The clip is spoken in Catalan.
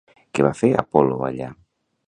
Què va fer Apol·lo allà?